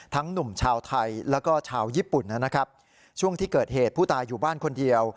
หนุ่มชาวไทยแล้วก็ชาวญี่ปุ่นนะครับช่วงที่เกิดเหตุผู้ตายอยู่บ้านคนเดียว